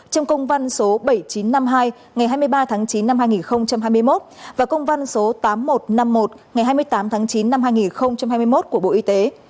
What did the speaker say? trong công văn số bảy nghìn chín trăm năm mươi hai ngày hai mươi ba tháng chín năm hai nghìn hai mươi một và công văn số tám nghìn một trăm năm mươi một ngày hai mươi tám tháng chín năm hai nghìn hai mươi một của bộ y tế